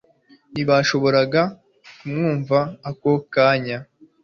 ntibashoboraga ku mwumva ako kanya